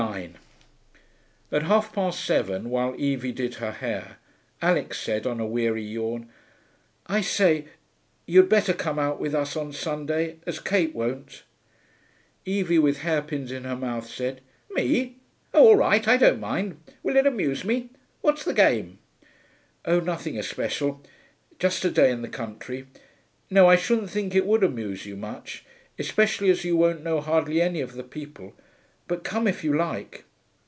9 At half past seven, while Evie did her hair, Alix said, on a weary yawn, 'I say, you'd better come out with us on Sunday, as Kate won't.' Evie, with hairpins in her mouth, said, 'Me? Oh, all right, I don't mind. Will it amuse me? What's the game?' 'Oh, nothing especial. Just a day in the country. No, I shouldn't think it would amuse you much, especially as you won't know hardly any of the people. But come if you like.'